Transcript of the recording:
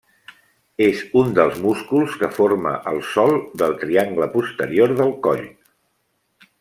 És un dels músculs que forma el sòl del triangle posterior del coll.